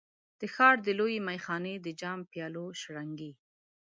د ښار د لویې میخانې د جام، پیالو شرنګی